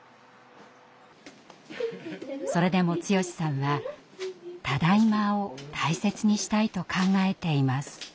それでも剛さんは「ただいま」を大切にしたいと考えています。